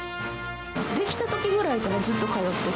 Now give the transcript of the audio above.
出来たときぐらいからずっと通ってて。